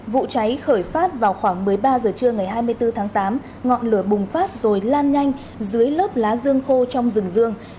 vụ cháy khởi phát vào khoảng một mươi ba h trưa ngày hai mươi bốn tháng tám ngọn lửa bùng phát rồi lan nhanh dưới lớp lá dương khô trong rừng rương